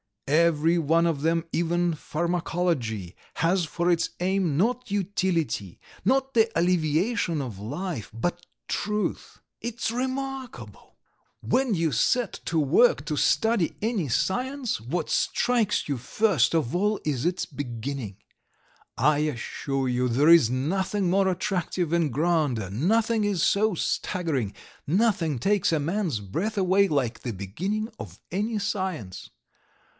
Every one of them, even pharmacology, has for its aim not utility, not the alleviation of life, but truth. It's remarkable! When you set to work to study any science, what strikes you first of all is its beginning. I assure you there is nothing more attractive and grander, nothing is so staggering, nothing takes a man's breath away like the beginning of any science.